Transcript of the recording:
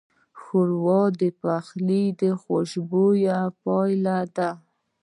ښوروا د پخلي د خوشبویۍ پایله ده.